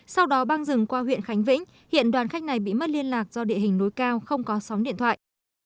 sau đó băng rừng qua huyện khánh vĩnh hiện đoàn khách này bị mất liên lạc do địa hình núi cao không có sóng điện thoại